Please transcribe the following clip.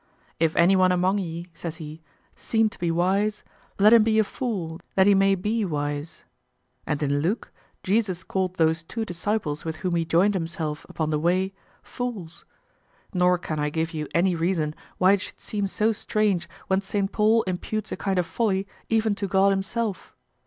"If anyone among ye," says he, "seem to be wise, let him be a fool that he may be wise." And in Luke, Jesus called those two disciples with whom he joined himself upon the way, "fools." Nor can I give you any reason why it should seem so strange when Saint Paul imputes a kind of folly even to God himself.